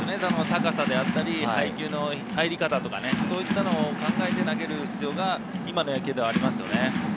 高さであったり配球の入り方とか、考えて投げる必要が今の野球ではありますね。